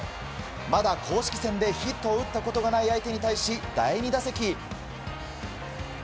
まだ公式戦でヒットを打ったことがない相手に対し第２打席。